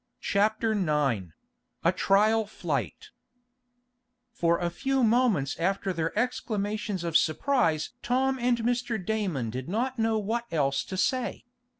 Chapter Nine A Trial Flight For a few moments after their exclamations of surprise Tom and Mr. Damon did not know what else to say.